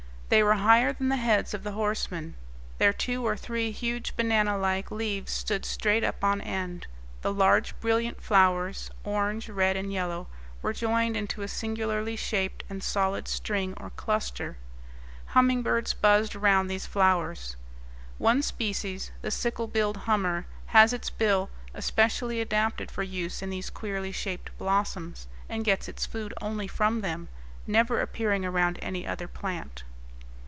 They were higher than the heads of the horsemen. Their two or three huge banana like leaves stood straight up on end. The large brilliant flowers orange, red, and yellow were joined into a singularly shaped and solid string or cluster. Humming birds buzzed round these flowers; one species, the sickle billed hummer, has its bill especially adapted for use in these queerly shaped blossoms and gets its food only from them, never appearing around any other plant.